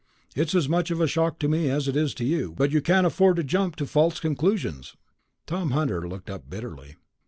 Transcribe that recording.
"It's as much of a shock to me as it is to you, but you can't afford to jump to false conclusions...." Tom Hunter looked up bitterly.